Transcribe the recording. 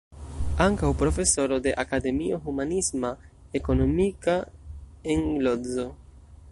Ankaŭ profesoro de Akademio Humanisma-Ekonomika en Lodzo.